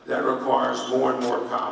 itu membutuhkan lebih banyak emas